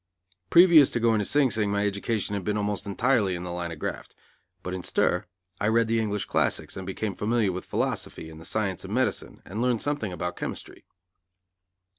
Previous to going to Sing Sing my education had been almost entirely in the line of graft; but in stir, I read the English classics and became familiar with philosophy and the science of medicine and learned something about chemistry.